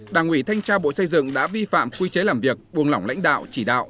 đảng ủy thanh tra bộ xây dựng đã vi phạm quy chế làm việc buông lỏng lãnh đạo chỉ đạo